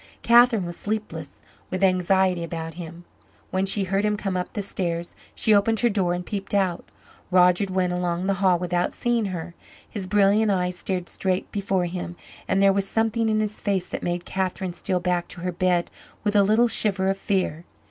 Catherine was sleepless with anxiety about him. When she heard him come up the stairs, she opened her door and peeped out. Roger went along the hall without seeing her. His brilliant eyes stared straight before him, and there was something in his face that made Catherine steal back to her bed with a little shiver of fear.